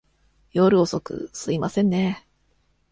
夜遅く、すいませんねぇ。